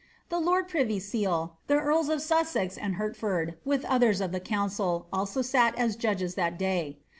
The lord privy seal, the earls of Sussex and Hertford, with othera of the council, sat also as judges that day.